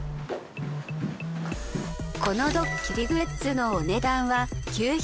このドッキリグッズのお値段は９５０円。